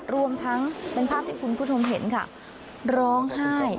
รวมทั้งเป็นภาพที่คุณผู้ชมเห็นค่ะร้องไห้